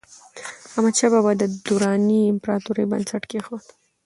احمدشاه بابا د دراني امپراتورۍ بنسټ کېښود.